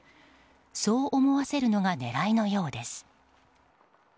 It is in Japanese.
そう思わせるのが狙いのようです。